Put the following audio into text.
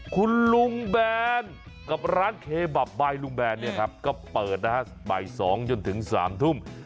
คุณลุงแบนกับร้านเคบับบายลุงแบนเนี่ยครับก็เปิดนะฮะบ่าย๒จนถึง๓ทุ่ม